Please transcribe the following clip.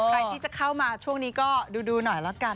ใครที่จะเข้ามาช่วงนี้ก็ดูหน่อยละกัน